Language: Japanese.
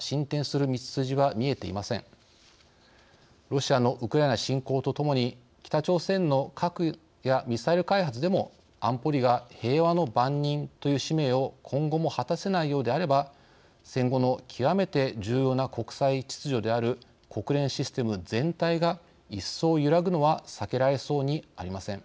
ロシアのウクライナ侵攻とともに北朝鮮の核やミサイル開発でも安保理が平和の番人という使命を今後も果たせないようであれば戦後の極めて重要な国際秩序である国連システム全体が一層揺らぐのは避けられそうにありません。